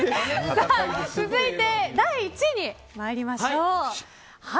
続いて第１位に参りましょう。